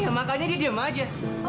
ya makanya diem aja